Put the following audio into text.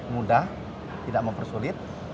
mudah tidak mempersulit